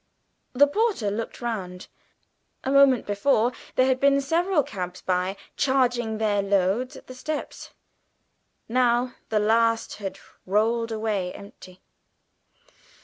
The porter looked round. A moment before there had been several cabs discharging their loads at the steps; now the last had rolled away empty.